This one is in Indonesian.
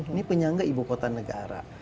ini penyangga ibu kota negara